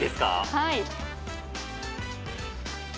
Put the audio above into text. はい。